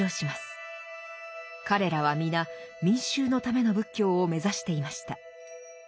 彼らは皆民衆のための仏教を目指していました。